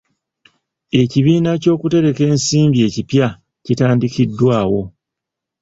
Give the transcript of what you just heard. Ekibiina ky'okutereka ensimbi ekipya kitandikiddwawo.